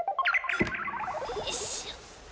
よいしょ。